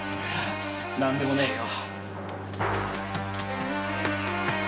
何でもねえよ。